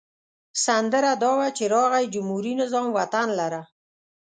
سندره دا وه چې راغی جمهوري نظام وطن لره.